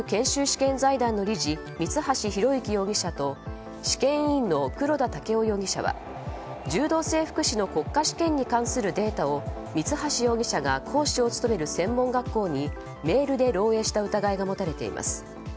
試験財団の理事三橋裕之容疑者と試験委員の黒田剛生容疑者は柔道整復師の国家試験に関するデータを三橋容疑者が講師を務める専門学校にメールで漏洩した疑いが持たれています。